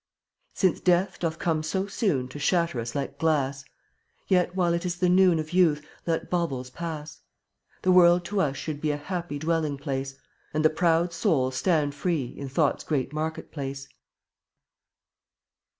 35 Since Death doth come so soon To shatter us like glass, While yet it is the noon Of youth, let baubles pass. The world to us should be A happy dwelling place, And the proud soul stand free In thought's great market place.